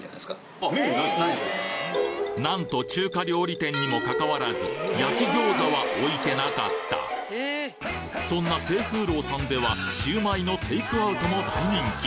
なんと中華料理店にもかかわらず焼き餃子は置いてなかったそんな清風楼さんではシウマイのテイクアウトも大人気！